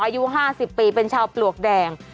อายุ๕๐ปีเป็นชาวปลวกแดง